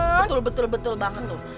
betul betul banget tuh